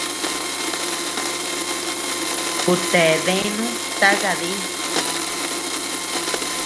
Ku ta deanu taka di.